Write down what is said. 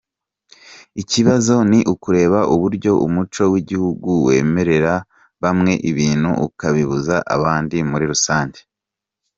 Ikibazo ni ukureba uburyo umuco w’igihugu wemerera bamwe ibintu ukabibuza abandi muri rusange.